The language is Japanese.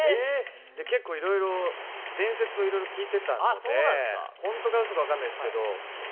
結構、伝説をいろいろ聞いていたので、本当か嘘かわからないですけど。